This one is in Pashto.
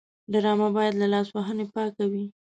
ډرامه باید له لاسوهنې پاکه وي